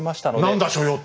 何だ所用って。